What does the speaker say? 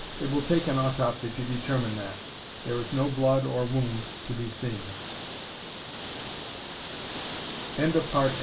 "It will take an autopsy to determine that. There is no blood or wound to be se